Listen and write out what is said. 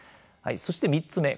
そして３つ目